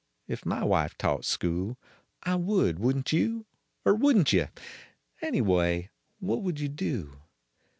If my wife taught school I would, wouldn t you ? Er wouldn t yuh? Anyway what would you do